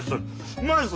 うまいです！